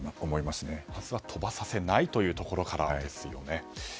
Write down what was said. まずは飛ばさせないというところからですよね。